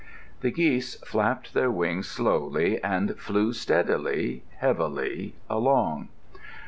The geese flapped their wings slowly and flew steadily, heavily along.